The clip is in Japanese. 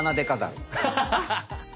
ハハハハ！